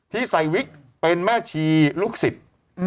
ที่ใส่วิกเป็นแม่ชีลูกศิษย์